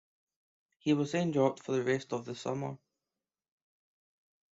He was then dropped for the rest of the summer.